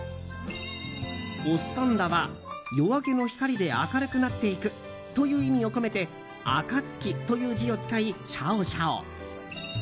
オスパンダは、夜明けの光で明るくなっていくという意味を込めて「暁」という字を使いシャオシャオ。